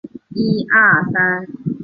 和政郡主夭折。